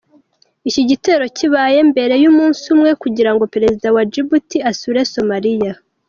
Iki gitero kibaye mbere y’umunsi umwe kugira ngo Perezida wa Djibouti asure Somalia.